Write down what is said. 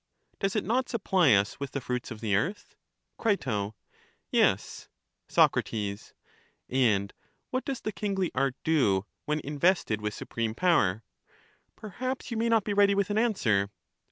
Does it not supply us with the fruits of the earth? Cri. Yes. Soc, And what does the kingly art do when in EUTHYDEMUS 251 vested with supreme power? Perhaps you may not be ready with an answer?